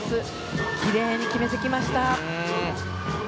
きれいに決めてきました。